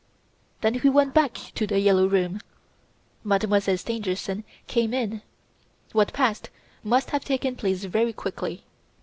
"Then he went back to "The Yellow Room". Mademoiselle Stangerson came in. What passed must have taken place very quickly.